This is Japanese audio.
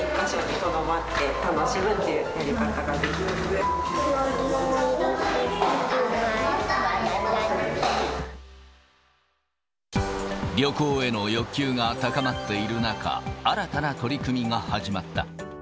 恐竜もいるし、旅行への欲求が高まっている中、新たな取り組みが始まった。